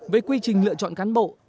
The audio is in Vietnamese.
với quy trình lựa chọn cán bộ